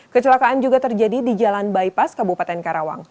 kecelakaan juga terjadi di jalan bypass kabupaten karawang